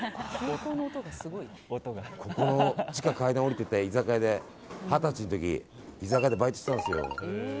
ここの地下、階段降りてって居酒屋で二十歳の時、居酒屋でバイトしていたんですよ。